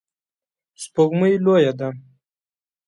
سپوږمۍ لویه ده